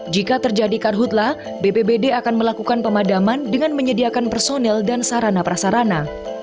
jika terjadi karhutlah bpbd akan melakukan pemadaman dengan menyediakan personel dan sarana prasarana